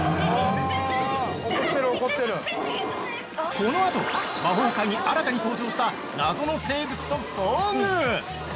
◆このあと、魔法界に新たに登場した謎の生物と遭遇！